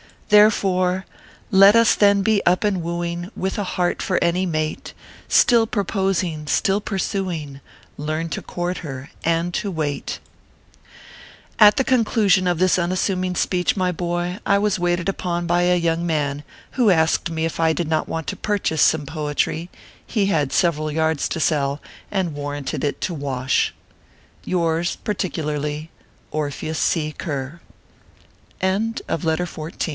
Therefore, " Let us then be up and wooing, "With a heart for any mate, Still proposing, still pursuing, Learn to court her, and to wait." At the conclusion of this unassuming speech, my boy, I was waited upon by a young man, who asked me if I did not want to purchase some poetry ; he had several yards to sell, and war